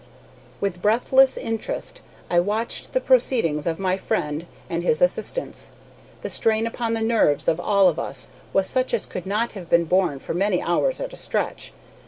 With breathless interest I watched the proceedings of my friend and his assistants. The strain upon the nerves of all of us was such as could not have been borne for many hours at a stretch.